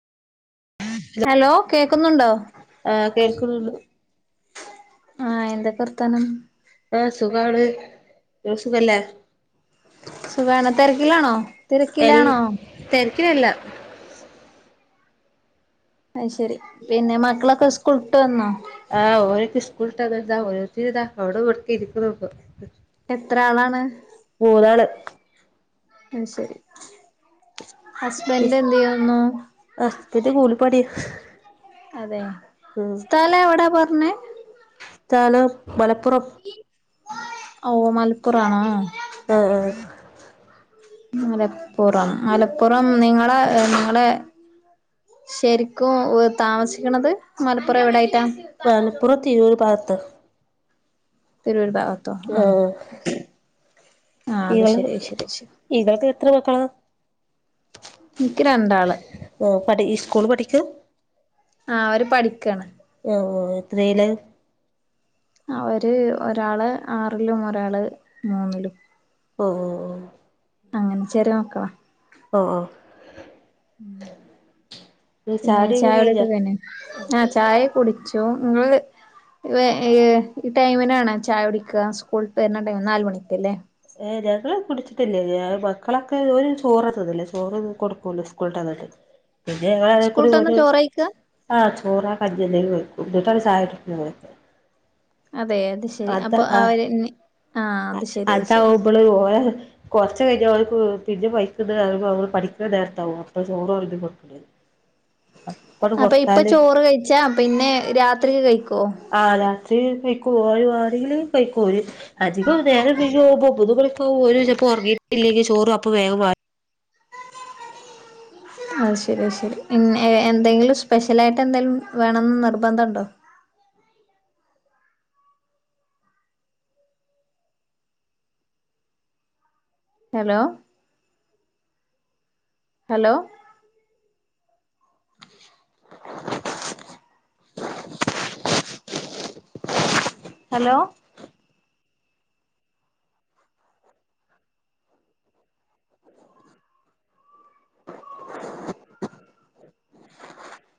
Hello കേക്കുന്നുണ്ടോ ആഹ് കേൾന്നുണ്ട് ആഹ് എന്തൊക്കെവർത്താനം ആഹ് സുഖാണ് സുഖല്ലേ സുഖാണ് തെരക്കിലാണോ എൽ തെരക്കിലല്ല അഹ് ശരി പിന്നെ മക്കളൊക്കെ സ്കൂളിട്ട് വന്നോ ആഹ് ഓല് സ്കൂളിട്ട് ഇതാ ഓരോര് തരിത അവിടെടക്ക ഇരിക്ക്ണു എത്ര ആളാണ് മൂന്നാള് അത് ശരി ഹസ്ബൻഡ് എന്ത്യ്യുന്നു ഹസ്ബറ്റ്കൂലിപ്പണി അതെ സ്ഥലം എവിടാ പറഞ്ഞേ സ്ലതാനം മലപ്പുറം ഔ മലപ്പുറാണോ അ ആഹ് മലപ്പുറം മലപ്പുറം നിങ്ങളെ എ നിങ്ങളെ ശരിക്കും ഉ താമസിക്കണത് മലപ്പുറം എവിടൊയിട്ടാ? മലപ്പുറം തിരൂര് ഭാകത്ത് തിരർ ഭാഗത്തോ ആ ആഹ് ആ അത് ശരി ശരി ശരി ഇവൾക്ക് എത്ര മക്കള? ക്ക് രണ്ടാള് ഓ പഠി സ്കൂൾ പഠിക്ക? ആഹ് അവര് പഠിക്കാണ് ഓ ഓ എത്രീല്? അവര് ഒരാള് ആറിലും ഒരാള് മൂന്നിലും ഓഹോ അങ്ങനെ ചെറിയ മക്കളാ ഓഹ് ഓഹ് ഓഹ് പിന്നെ ചായുടിയൊക്കെ ചായടൊക്കെ കഴിഞ്ഞോ? ആഹ് ചായ കുടിച്ചു നിങ്ങള് വേ ഈ ടൈമിനാണ് ചായ കുടിക്ക സ്കൂള് വരുന്ന ടൈം നാല് മണിക്ക് ല്ലേ ഏ ഞങ്ങള്ൾ കുടിച്ചിട്ടില്ലേ ഞ മക്കളൊക്കെ ഒരു ചോറ്ത്തിന്നല്ലേ ചോറ് കൊടുക്കൊള്ളു സ്കൂൾ വിട്ട് വന്നിട്ട് [inaudible] പിന്നള സ്കൂളിട്ട് വന്ന് കു ചോറ് കഴിക്കാ ആഹ് ചോറ് [unintelligible] എന്നിട്ടാ ചായ കുടിക്കൂ അതെ അത് ശെരി അപ്പൊ ആഹ് അവര് ആഹ് അത് ശരി അത് ശരി പ്പള് ഓയ കുറച്ച് കഴിഞ്ഞാൽ കൽക്ക് പിന്നെ പൈക്കുമ്പഅവ പഠിക്കുന്ന നേരത്താവകും അപ്പൊ ചോറ് കൊടുക്കല് അപ്പൊ ഇപ്പ ചോറ് കഴിച്ചാ പിന്നെ രാത്രിക്ക് കഴിക്കൊ? ആ രാത്രി കയിക്കുവാണെങ്കില് കയ്ക്കും അധികം നേരം [unintelligible] ഒരു അപ്പം ഉറങ്ങിട്ടില്ലങ്ക ചോറും അപ്പംവേഗംക അഹ് ശരി അഹ്ശരി എന്തെങ്കിലും സ്പെഷ്യൽ ആായിട്ട് എന്തെങ്കിലും വേണമന്ന് നിർബന്ധംണ്ടോ? Hello hello hello [inaudible] [unintelligible]